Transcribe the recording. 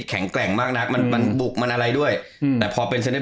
แข็งแกร่งมากนักมันมันบุกมันอะไรด้วยอืมแต่พอเป็นเซน